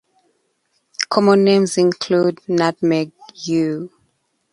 Common names include nutmeg yew.